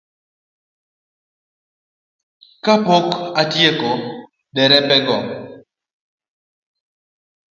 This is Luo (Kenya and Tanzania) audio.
Kapok atieko, derepego